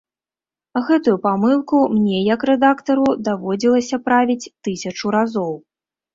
Гэтую памылку мне як рэдактару даводзілася правіць тысячу разоў.